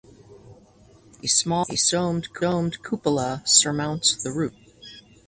A small domed cupola surmounts the roof.